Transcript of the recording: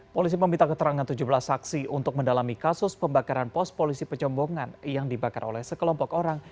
polisi meminta keterangan tujuh belas saksi untuk mendalami kasus pembakaran pos polisi pejombongan yang dibakar oleh sekelompok orang